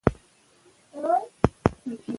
پښتو ژبه زموږ د تاریخي میراث نښه ده.